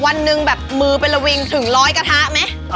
วันหนึ่งแบบมือเป็นระวิงถึงร้อยกระทะไหม